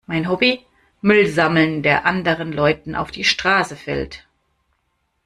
Mein Hobby? Müll sammeln, der anderen Leuten auf die Straße fällt.